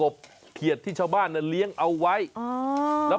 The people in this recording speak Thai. แล้วเทน้ำมันพืชแล้วนำพริกแกงที่เตรียมไว้ไปผัดจนหอมครับ